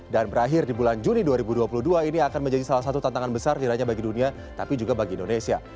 dan berakhir di bulan juni dua ribu dua puluh dua ini akan menjadi salah satu tantangan besar tidak hanya bagi dunia tapi juga bagi indonesia